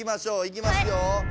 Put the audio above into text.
いきますよ。